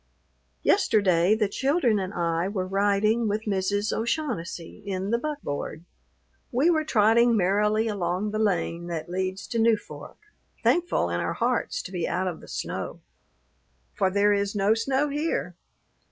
Yesterday the children and I were riding with Mrs. O'Shaughnessy in the buckboard. We were trotting merrily along the lane that leads to Newfork, thankful in our hearts to be out of the snow, for there is no snow here.